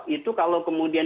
itu kalau kemudian